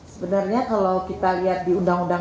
sebenarnya kalau kita lihat di dalam